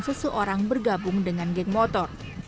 seseorang bergabung dengan geng motor